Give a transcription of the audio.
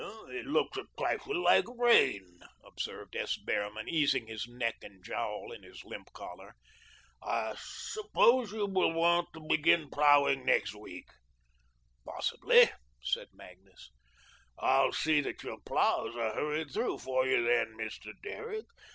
"It looks a trifle like rain," observed S. Behrman, easing his neck and jowl in his limp collar. "I suppose you will want to begin ploughing next week." "Possibly," said Magnus. "I'll see that your ploughs are hurried through for you then, Mr. Derrick.